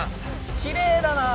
きれいだな。